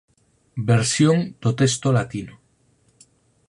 Versión do texto latino"